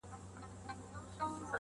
چي د ديموکراسۍ په لسيزه کي